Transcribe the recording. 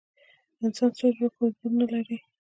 انسان څو جوړه کروموزومونه لري؟